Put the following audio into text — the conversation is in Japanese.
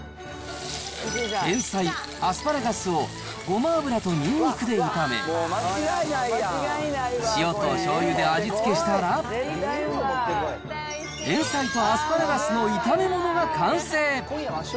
エンサイ、アスパラガスをごま油とにんにくで炒め、塩としょうゆで味付けしたら、エンサイとアスパラガスの炒め物が完成。